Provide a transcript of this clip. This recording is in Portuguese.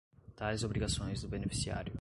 tais obrigações do beneficiário.